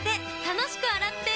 楽しく洗っ手！